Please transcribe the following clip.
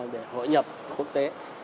để hội nhập quốc tế